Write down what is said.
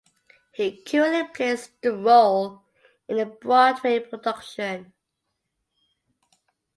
He currently plays the role in the Broadway production.